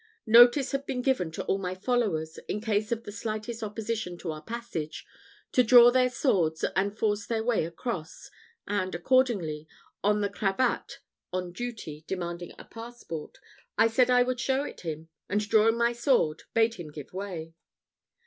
Notice had been given to all my followers, in case of the slightest opposition to our passage, to draw their swords and force their way across; and accordingly, on the cravatte on duty demanding a passport, I said I would show it him, and drawing my sword, bade him give way.